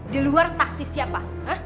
di luar taksi siapa